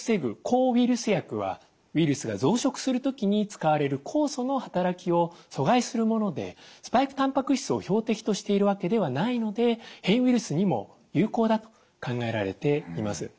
抗ウイルス薬はウイルスが増殖する時に使われる酵素の働きを阻害するものでスパイクたんぱく質を標的としているわけではないので変異ウイルスにも有効だと考えられています。